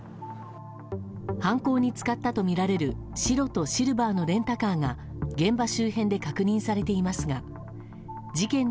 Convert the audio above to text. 犯行に使ったとみられる白とシルバーのレンタカーが現場周辺で確認されていますが事件の